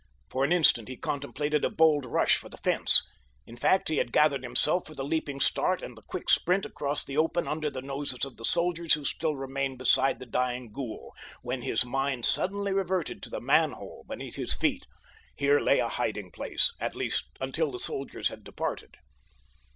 For an instant he contemplated a bold rush for the fence. In fact, he had gathered himself for the leaping start and the quick sprint across the open under the noses of the soldiers who still remained beside the dying ghoul, when his mind suddenly reverted to the manhole beneath his feet. Here lay a hiding place, at least until the soldiers had departed.